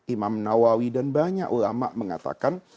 imam nawawi dan banyak ulama mengatakan